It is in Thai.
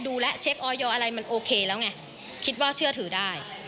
ดูแล้วเช็คออยอะไรมันโอเคแล้วไงคิดว่าเชื่อถือได้